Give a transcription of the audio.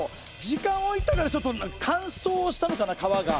時間置いたからちょっと乾燥したのかな革が。